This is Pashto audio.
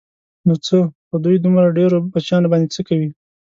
نو څه خو دوی دومره ډېرو بچیانو باندې څه کوي.